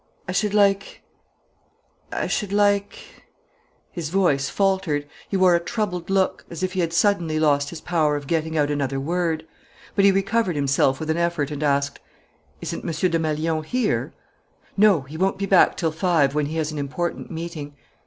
"I should like I should like " His voice faltered. He wore a troubled look, as if he had suddenly lost his power of getting out another word. But he recovered himself with an effort and asked: "Isn't Monsieur Desmalions here?" "No; he won't be back till five, when he has an important meeting."